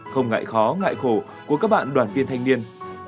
không ngại khó ngại khổ của các bạn đoàn viên thanh niên